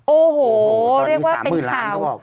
โอ้โหเรียกว่าเป็นข่าว